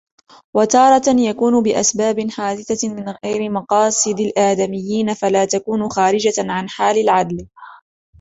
وَتَارَةً يَكُونُ بِأَسْبَابٍ حَادِثَةٍ مِنْ غَيْرِ مَقَاصِدِ الْآدَمِيِّينَ فَلَا تَكُونُ خَارِجَةً عَنْ حَالِ الْعَدْلِ